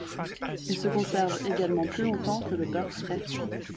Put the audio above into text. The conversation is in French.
Il se conserve également plus longtemps que le beurre frais.